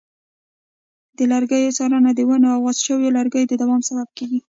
د لرګیو څارنه د ونو او غوڅ شویو لرګیو د دوام سبب کېږي.